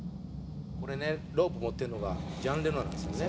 「これねロープ持ってるのがジャン・レノなんですよね」